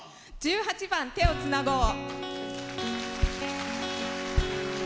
１８番「手をつなごう」。